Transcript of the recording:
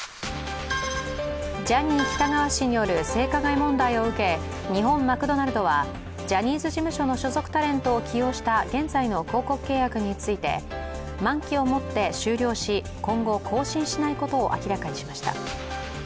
ジャニー喜多川氏による性加害問題を受け日本マクドナルドはジャニーズ事務所の所属タレントを起用した現在の広告契約について満期をもって終了し今後更新しないことを明らかにしました。